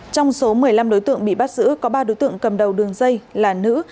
trong số một mươi năm đối tượng bị bắt giữ có ba đối tượng cầm đầu đường dây là nữ